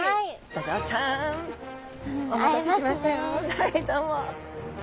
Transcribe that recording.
はいどうも。